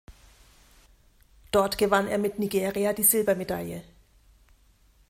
Dort gewann er mit Nigeria die Silbermedaille.